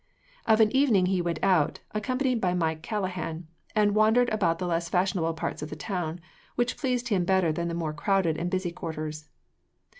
Of an evening he went out, accompanied by Mike Callaghan, and wandered about the less fashionable part of the town, which pleased him better than the more crowded and busy quarters.